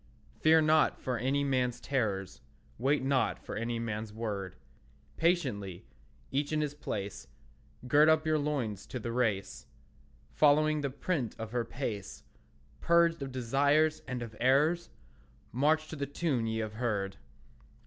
Fear not for any man's terrors; Wait not for any man's word; Patiently, each in his place, Gird up your loins to the race; Following the print of her pace, Purged of desires and of errors, March to the tune ye have heard.